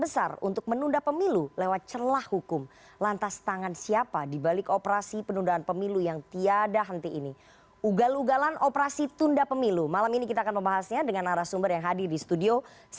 selamat malam pak yulianto